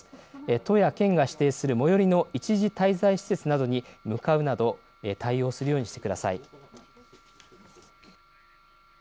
都や県が指定する最寄りの一時滞在施設などに向かうなど対応するようにしてください。